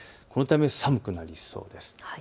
このため寒くなります。